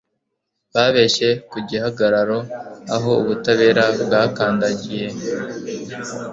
Babeshye ku gihagararo aho ubutabera bwakandagiye